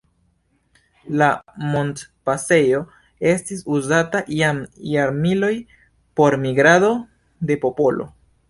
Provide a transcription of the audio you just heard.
La montpasejo estis uzata jam jarmiloj por migrado de popolo.